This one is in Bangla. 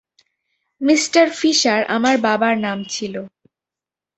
মিঃ ফিশার আমার বাবার নাম ছিল।